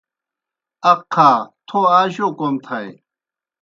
اَقہا تھو آ جو کوْم تھائے۔